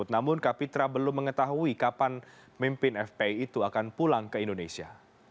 namun kapitra belum mengetahui kapan mimpin fpi itu akan pulang ke indonesia